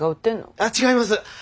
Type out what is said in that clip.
あ違います。